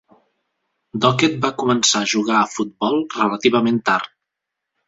Dockett va començar a jugar a futbol relativament tard.